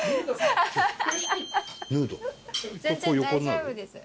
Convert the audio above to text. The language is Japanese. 全然大丈夫です。